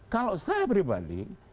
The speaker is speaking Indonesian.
kalau saya pribadi